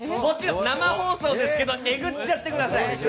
生放送ですけどえぐっちゃってください。